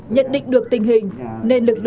nhận định được tình hình